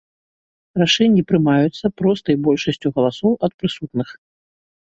Рашэнні прымаюцца простай большасцю галасоў ад прысутных.